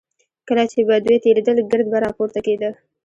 کله چې به دوی تېرېدل ګرد به راپورته کېده.